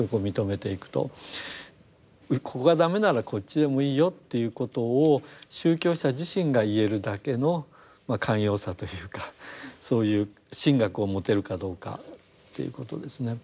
ここが駄目ならこっちでもいいよっていうことを宗教者自身が言えるだけのまあ寛容さというかそういう神学を持てるかどうかということですね。